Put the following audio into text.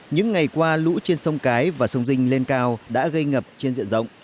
những ngày qua lũ trên sông cái và sông dinh lên cao đã gây ngập trên diện rộng